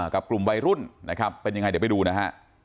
กับกลุ่มวัยรุ่นนะครับเป็นยังไงเดี๋ยวไปดูนะฮะ